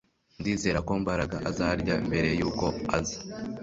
Ndizera ko Mbaraga azarya mbere yuko aza